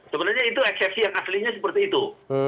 sebenarnya itu eksepsi yang aslinya seperti itu